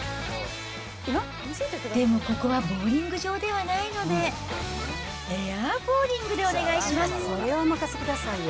でもここはボウリング場ではないので、エアボウリングでお願それはお任せくださいよ。